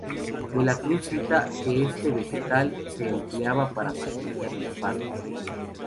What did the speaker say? De la Cruz cita que este vegetal se empleaba para facilitar el parto.